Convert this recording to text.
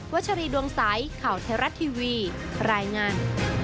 วัชรีดวงสายข่าวเทราะทีวีรายงาน